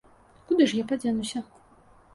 Куды ж я падзенуся?